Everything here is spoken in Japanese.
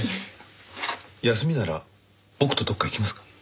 休みなら僕とどっか行きますか？